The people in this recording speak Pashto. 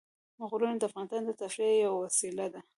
غرونه د افغانانو د تفریح یوه وسیله ده.